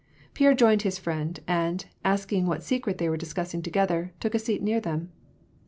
Pierre joined his friend, and, asking what secret they were discussing together, took a seat near them.